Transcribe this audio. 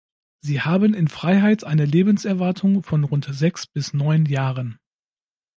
Sie haben in Freiheit eine Lebenserwartung von rund sechs bis neun Jahren.